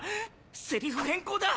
セリフ変更だ！